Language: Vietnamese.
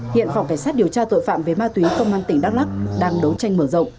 hiện phòng cảnh sát điều tra tội phạm về ma túy công an tỉnh đắk lắc đang đấu tranh mở rộng